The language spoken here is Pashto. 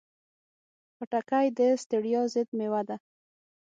خټکی د ستړیا ضد مېوه ده.